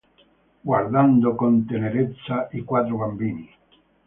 Guardando con tenerezza i quattro bambini.